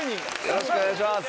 よろしく願いします！